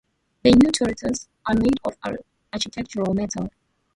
The new turrets are made of architectural metals.